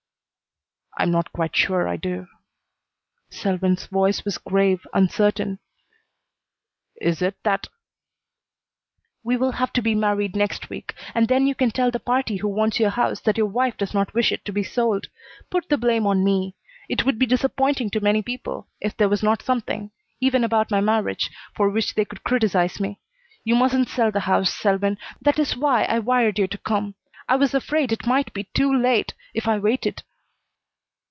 "I'm not quite sure I do." Selwyn's voice was grave, uncertain. "Is it that " "We will have to be married next week and then you can tell the party who wants your house that your wife does not wish it to be sold. Put the blame on me. It would be disappointing to many people if there was not something, even about my marriage, for which they could criticize me. You mustn't sell the house, Selwyn. That is why I wired you to come. I was afraid it might be too late if I waited."